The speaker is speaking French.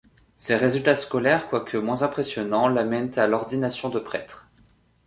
Ses résultat scolaires, quoique moins impressionnants, l’amènent à l’ordination de prêtre.